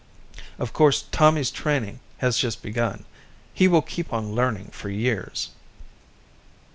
Of course, Tommy's training has just begun. He will keep on learning for years.